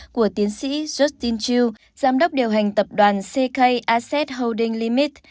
của tiến sĩ justin chiu giám đốc điều hành tập đoàn ck asset holding limit